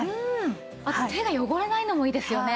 あと手が汚れないのもいいですよね。